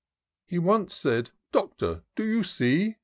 He once said —* Doctor, do you see